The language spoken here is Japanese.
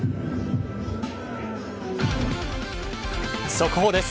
速報です。